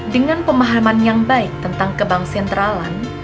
dengan pemahaman yang baik tentang kebang sentralan